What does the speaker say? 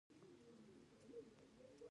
د مراجعینو لپاره د بانک کاري ساعتونه مناسب دي.